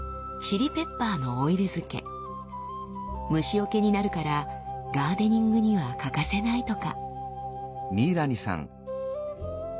虫よけになるからガーデニングには欠かせないとか。